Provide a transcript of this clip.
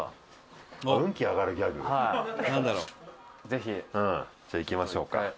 ぜひ」「じゃあいきましょうか。